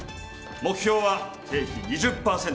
目標は経費２０％カット。